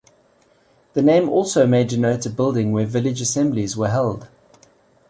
The name also may denote a building where village assemblies were held.